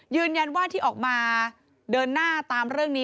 ยืนยันว่าที่ออกมาเดินหน้าตามเรื่องนี้